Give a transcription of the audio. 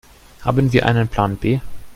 Haben wir einen Plan B?